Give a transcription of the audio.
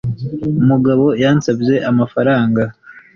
Umugabo yansabye amafaranga